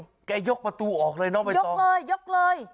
นั่งไก่ยกประตูออกเลยเนอะไปต่อออกเลย